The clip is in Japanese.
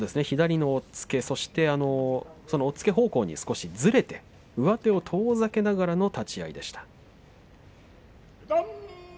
左の押っつけ、そして押っつけ方向に少しずれて上手を遠ざけながらの立ち合いでした。